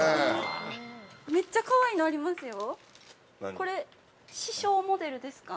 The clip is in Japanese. ◆めっちゃかわいいのありますよ。